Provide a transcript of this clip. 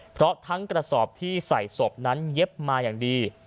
เพราะทั้งกระสอบที่ใส่ศพนั้นเย็บมาอย่างดี